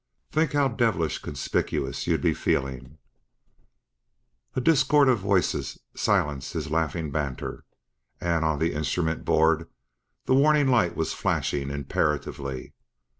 Think how divilish conspicuous you'd be feelin' "A discord of voices silenced his laughing banter; on the instrument board the warning light was flashing imperatively.